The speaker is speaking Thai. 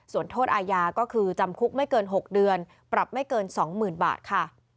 ส่วนโทษอาญาก็คือจำคุกไม่เกิน๖เดือนปรับไม่เกิน๒๐๐๐บาทค่ะ